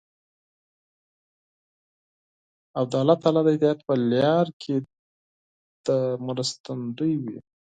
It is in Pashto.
او د الله تعالی د اطاعت په لار کې دې مرستندوی وي.